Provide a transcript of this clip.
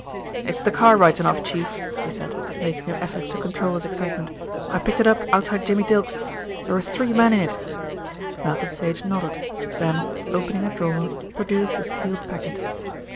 "It's the car right enough, Chief," he said, making an effort to control his excitement. "I picked it up outside Jimmy Dilk's. There were three men in it." Malcolm Sage nodded, then, opening a drawer, produced a sealed packet.